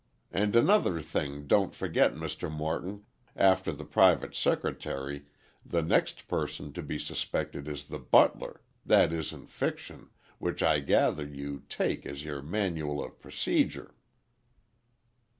"And another thing don't forget, Morton, after the Private Secretary, the next person to be suspected is the butler—that is in fiction, which I gather you take as your manual of procedure."